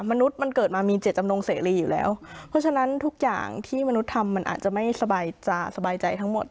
มนุษย์มันเกิดมามีเจตจำนงเสรีอยู่แล้วเพราะฉะนั้นทุกอย่างที่มนุษย์ทำมันอาจจะไม่สบายสบายใจทั้งหมด